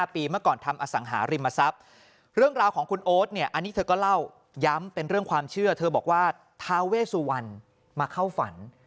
พี่สุวรรณมาเข้าฝัน